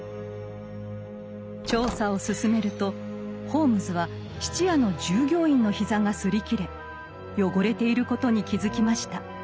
調査を進めるとホームズは質屋の従業員の膝が擦り切れ汚れていることに気付きました。